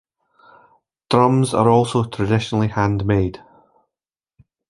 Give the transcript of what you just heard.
Drums are also traditionally handmade.